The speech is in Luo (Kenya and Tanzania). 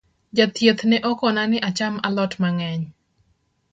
Jathieth ne okona ni acham alot mang’eny